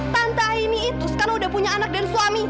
tante ini itu sekarang udah punya anak dan suami